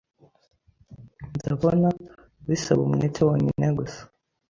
Ndabona bisaba umwete wonyine gusa